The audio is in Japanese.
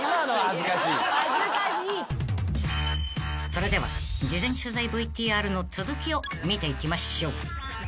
［それでは事前取材ＶＴＲの続きを見ていきましょう］